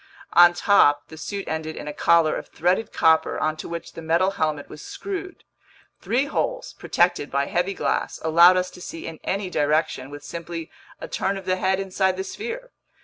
On top, the suit ended in a collar of threaded copper onto which the metal helmet was screwed. Three holes, protected by heavy glass, allowed us to see in any direction with simply a turn of the head inside the sphere.